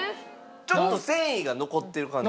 ちょっと繊維が残ってる感じ。